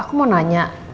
aku mau tanya